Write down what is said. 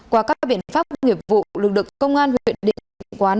qua các biện pháp nghiệp vụ lực lượng công an huyện định quán